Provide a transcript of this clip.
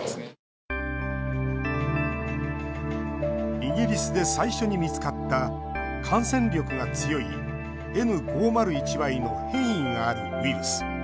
イギリスで最初に見つかった感染力が強いＮ５０１Ｙの変異があるウイルス。